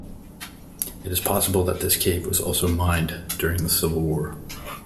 It is possible that this cave was also mined during the Civil War.